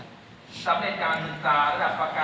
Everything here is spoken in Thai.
ขอบคุณมาก